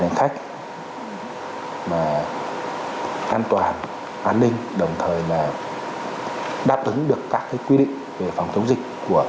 hành khách mà an toàn an ninh đồng thời là đáp ứng được các quy định về phòng chống dịch của